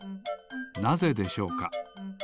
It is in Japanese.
なぜでしょうか？